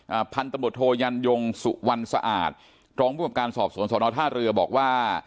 พันตำรวจโทยันยงสุวรรณสะอาดรองผู้กับการสอบสวนสอนอท่าเรือบอกว่า